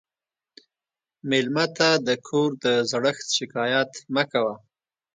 مېلمه ته د کور د زړښت شکایت مه کوه.